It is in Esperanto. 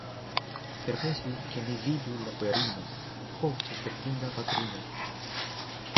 Permesu, ke mi vidu la bojarinon, ho, respektinda patrino!